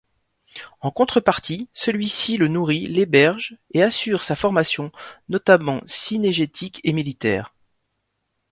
En contrepartie, celui-ci le nourrit, l'héberge, et assure sa formation, notamment cynégétique et militaire.